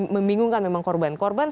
membingungkan memang korban korban